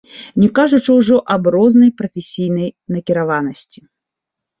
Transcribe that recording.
Не кажучы ўжо аб рознай прафесійнай накіраванасці.